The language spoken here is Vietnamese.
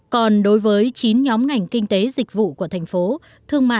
còn đối với chín nhóm ngành kinh tế dịch vụ của tp hcm